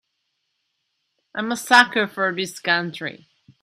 I'm a sucker for this country.